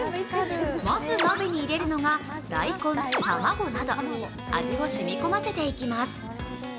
まず鍋に入れるのが大根、卵など味をしみ込ませていきます。